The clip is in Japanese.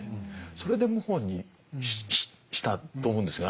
それで謀反にしたと思うんですが。